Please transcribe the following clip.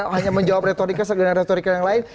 hanya menjawab retorika sagaran retorika yang lain